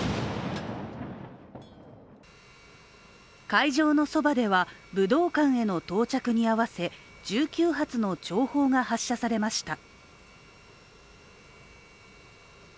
会場のそばでは、武道館への到着に合わせ１９発の弔砲が発射されました。